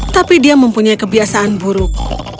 tapi dia mempunyai kebiasaan buruk